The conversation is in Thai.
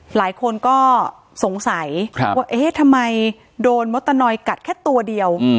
หลายคนก็สงสัยว่าเอ๊ะทำไมโดนมดตะนอยกัดแค่ตัวเดียว